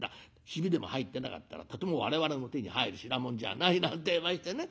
ヒビでも入ってなかったらとても我々の手に入る品物じゃない』なんてえましてね。